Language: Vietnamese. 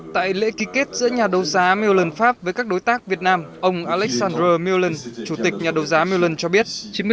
tại lễ ký kết giữa nhà đầu giám milan pháp với các đối tác việt nam ông alexandre milan chủ tịch nhà đầu giám milan cho biết